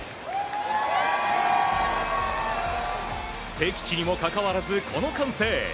敵地にもかかわらず、この歓声。